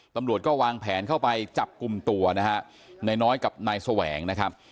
ตำรวจก็วางแผนเข้าไปจับกลุ่มตัวนะฮะนายน้อยกับนายแสวงนะครับ